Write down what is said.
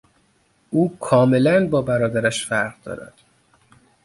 او کاملا با برادرش فرق دارد.